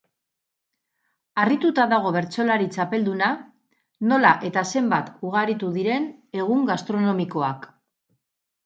Harrituta dago bertsolari txapelduna nola eta zenbat ugaritu diren egun gastronomikoak.